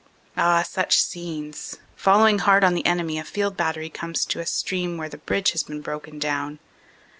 Ah! such scenes! Following hard on the enemy a field battery comes to a stream where the bridge has been broken down.